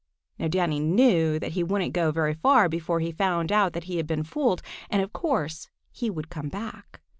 Now Danny knew that he wouldn't go very far before he found out that he had been fooled, and of course he would come back.